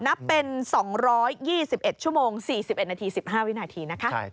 นับเป็น๒๒๑ชั่วโมง๔๑นาที๑๕วินาทีนะคะ